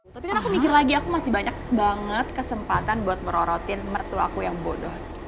tapi karena aku mikir lagi aku masih banyak banget kesempatan buat merorotin mertua aku yang bodoh